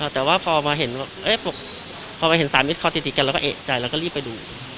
แต่ว่าพอมาเห็นพอไปเห็นสามมิตรคอติดกันเราก็เอกใจเราก็รีบไปดู